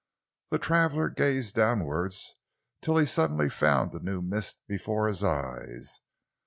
The traveller gazed downwards till he suddenly found a new mist before his eyes.